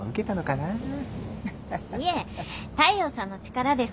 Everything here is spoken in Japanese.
いえ大陽さんの力です。